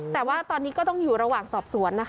แต่ว่าตอนนี้ก็ต้องอยู่ระหว่างสอบสวนนะคะ